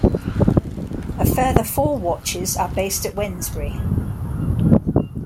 A further four watches are based at Wednesbury.